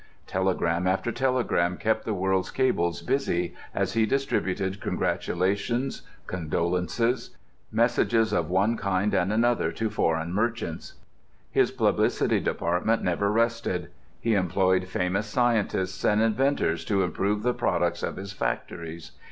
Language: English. Telegram after telegram kept the world's cables busy as he distributed congratulations, condolences, messages of one kind and another to foreign merchants. His publicity department never rested. He employed famous scientists and inventors to improve the products of his factories.